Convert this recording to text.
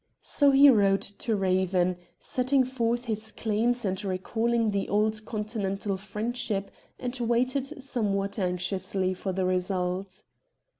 So he wrote to Eaven, setting forth his claims and recalling the old Continental friendship, and waited somewhat anxiously for the result.